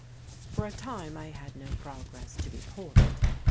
For a time I had no progress to report.